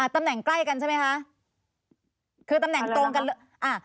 ตำแหน่งใกล้กันใช่ไหมคะคือตำแหน่งตรงกันเลยอ่า